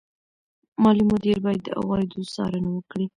مالي مدیر باید د عوایدو څارنه وکړي.